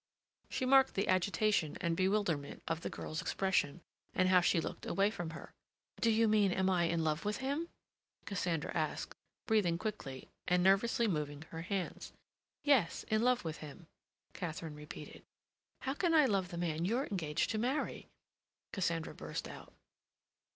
She marked the agitation and bewilderment of the girl's expression, and how she looked away from her. "Do you mean, am I in love with him?" Cassandra asked, breathing quickly, and nervously moving her hands. "Yes, in love with him," Katharine repeated. "How can I love the man you're engaged to marry?" Cassandra burst out.